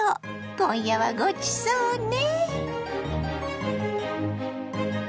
今夜はごちそうね。